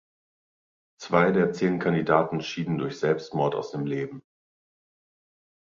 Zwei der zehn Kandidaten schieden durch Selbstmord aus dem Leben.